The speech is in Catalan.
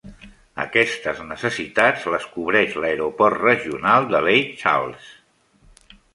Aquestes necessitats les cobreix l'Aeroport Regional de Lake Charles.